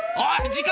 時間。